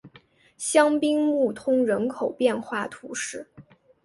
香槟穆通人口变化图示